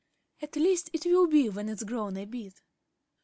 At least, it will be when it's grown a bit."